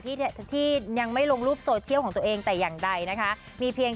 ที่ที่ยังไม่ลงรูปโซเชียลของตัวเองแต่อย่างใดนะคะมีเพียง